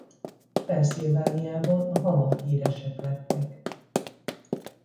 Pennsylvaniában hamar híresek lettek.